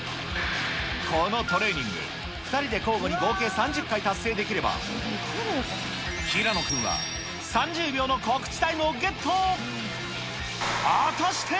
このトレーニング、２人で交互に合計３０回達成できれば、平野君は３０秒の告知